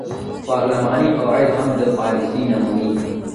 پارلماني قواعد هم د پالیسۍ نمونې دي.